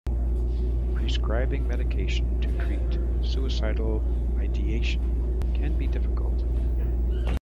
Prescribing medication to treat suicidal ideation can be difficult.